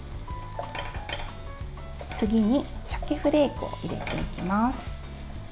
次に、しゃけフレークを入れていきます。